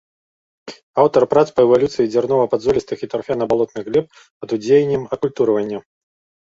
Аўтар прац па эвалюцыі дзярнова-падзолістых і тарфяна-балотных глеб пад уздзеяннем акультурвання.